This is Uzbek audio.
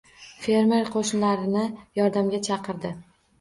Fermer qoʻshnilarini yordamga chaqirdi